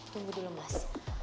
tunggu dulu mas